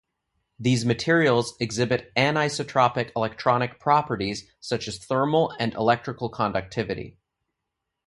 These materials exhibit anisotropic electronic properties such as thermal and electrical conductivity.